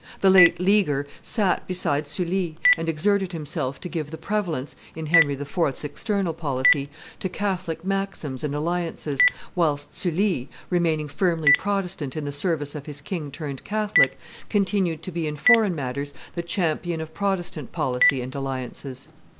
The late Leaguer sat beside Sully, and exerted himself to give the prevalence, in Henry IV.'s external policy, to Catholic maxims and alliances, whilst Sully, remaining firmly Protestant in the service of his king turned Catholic, continued to be in foreign matters the champion of Protestant policy and alliances.